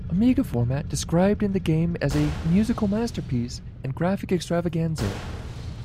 "Amiga Format" described the game as a "musical masterpiece" and "graphic extravaganza".